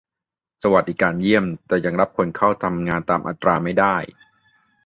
สวัสดิการเยี่ยม แต่ยังรับคนเข้าทำงานตามอัตราไม่ได้